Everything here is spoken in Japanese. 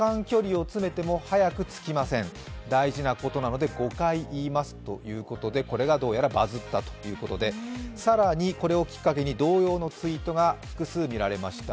大事なことなので５回言いますということで、大事なことなので５回言いますということでこれがどうやらバズったということで更にこれをきっかけに同様のツイートが複数見られました。